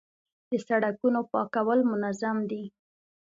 د سړکونو پاکول منظم دي؟